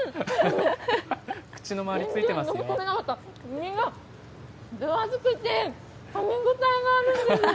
身が分厚くて、かみ応えがあるんです。